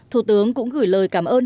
thủ tướng cũng gửi lời cảm ơn